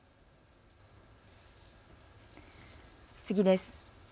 次です。